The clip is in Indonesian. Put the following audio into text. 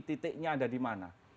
titiknya ada di mana